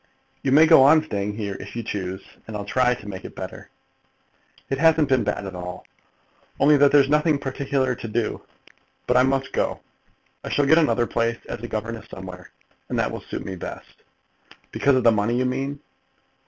"You may go on staying here, if you choose, and I'll try to make it better." "It hasn't been bad at all, only that there's nothing particular to do. But I must go. I shall get another place as a governess somewhere, and that will suit me best." "Because of the money, you mean."